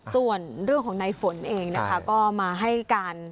ส่วนเรื่องของในฝนเองนะคะก็มาให้การ